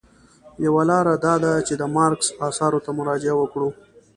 یوه لاره دا ده چې د مارکس اثارو ته مراجعه وکړو.